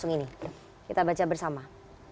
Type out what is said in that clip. pertanyaan dari jurubicara presiden